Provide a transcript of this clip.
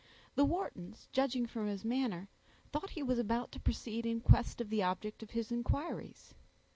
The Whartons, judging from his manner, thought he was about to proceed in quest of the object of his inquiries.